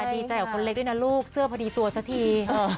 ดีใจกับคนเล็กด้วยนะลูกเสื้อพอดีตัวสักที